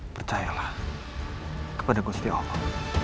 percayalah kepada gusti allah